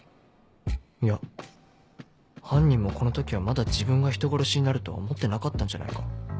いや犯人もこの時はまだ自分が人殺しになるとは思ってなかったんじゃないか？